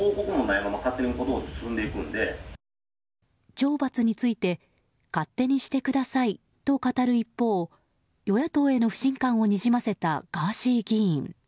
懲罰について勝手にしてくださいと語る一方与野党への不信感をにじませたガーシー議員。